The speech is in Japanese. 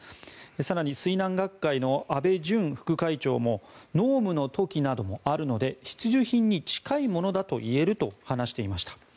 更に水難学会の安倍淳副会長も濃霧の時などもあるので必需品に近いものだといえると話していました。